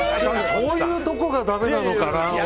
そういうところがだめなのかな。